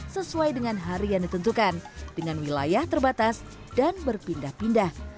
sesuai dengan hari yang ditentukan dengan wilayah terbatas dan berpindah pindah